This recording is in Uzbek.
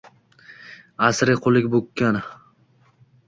Asriy qullik bukkan